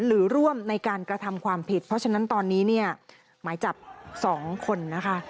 ร่วมในการกระทำความผิดเพราะฉะนั้นตอนนี้เนี่ยหมายจับ๒คนนะคะ